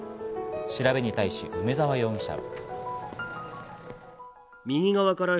調べに対し梅沢容疑者は。